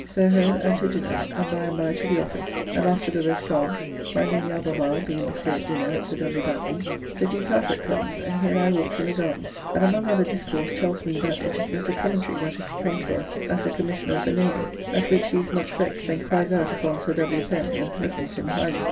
So home and to dinner, and by and by to the office, and after the rest gone (my Lady Albemarle being this day at dinner at Sir W. Batten's) Sir G. Carteret comes, and he and I walked in the garden, and, among other discourse, tells me that it is Mr. Coventry that is to come to us as a Commissioner of the Navy; at which he is much vexed, and cries out upon Sir W. Pen, and threatens him highly.